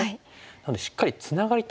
なのでしっかりツナがりたい。